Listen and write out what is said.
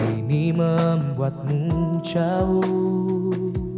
ini membuatmu jauh